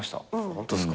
ホントっすか？